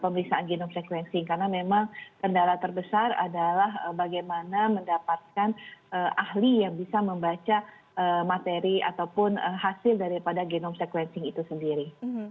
pemeriksaan genome sequencing karena memang kendala terbesar adalah bagaimana mendapatkan ahli yang bisa membaca materi ataupun hasil daripada genome sequencing itu sendiri